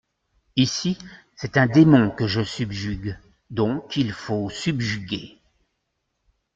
Ici, c'est un démon que je subjugue, donc il faut subjuguer.